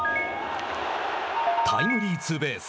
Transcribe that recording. タイムリーツーベース。